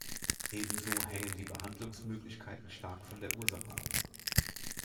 Ebenso hängen die Behandlungsmöglichkeiten stark von der Ursache ab.